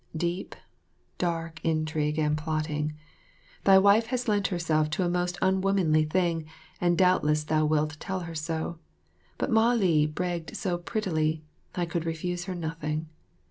Deep, dark intrigue and plotting. Thy wife has lent herself to a most unwomanly thing, and doubtless thou wilt tell her so, but Mah li begged so prettily, I could refuse her nothing.